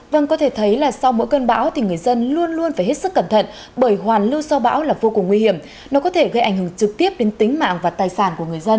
vâng có thể thấy là sau mỗi cơn bão thì người dân luôn luôn phải hết sức cẩn thận bởi hoàn lưu sau bão là vô cùng nguy hiểm nó có thể gây ảnh hưởng trực tiếp đến tính mạng và tài sản của người dân